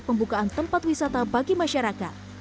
pembukaan tempat wisata bagi masyarakat